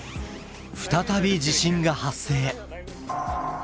再び地震が発生。